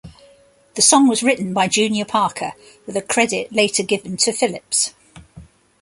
The song was written by Junior Parker, with a credit later given to Phillips.